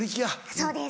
そうです。